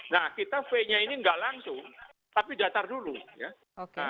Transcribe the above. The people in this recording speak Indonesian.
nah kita v nya ini nggak langsung tapi datar dulu ya